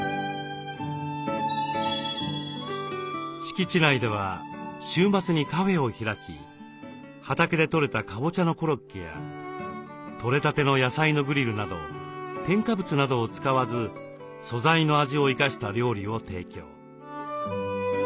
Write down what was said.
敷地内では週末にカフェを開き畑でとれたカボチャのコロッケやとれたての野菜のグリルなど添加物などを使わず素材の味を生かした料理を提供。